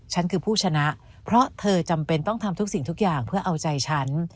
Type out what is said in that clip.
ฉันคือผู้ชนะเพราะเธอจำเป็นต้องทำทุกสิ่งทุกอย่างเพื่อเอาใจฉัน